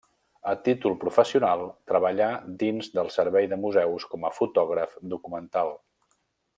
A títol professional, treballà dins del Servei de Museus com a fotògraf documental.